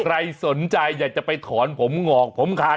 ใครสนใจอยากจะไปถอนผมงอกผมขาด